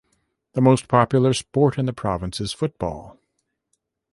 The most popular sport in the province is football.